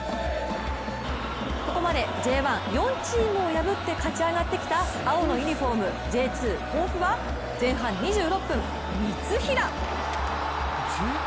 ここまでＪ１、４チームを破って勝ち上がってきた青のユニフォーム、Ｊ２・甲府は前半２６分、三平！